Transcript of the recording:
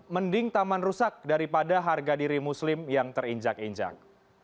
mending taman rusak daripada harga diri muslim yang terinjak injak